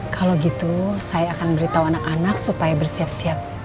kalau gitu saya akan beritahu anak anak supaya bersiap siap